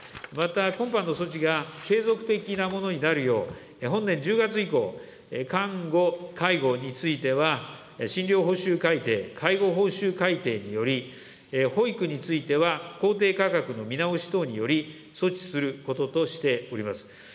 また、今般の措置が継続的なものになるよう、本年１０月以降、看護・介護については、診療報酬改定、介護報酬改定により、保育については公定価格の見直し等により、措置することとしております。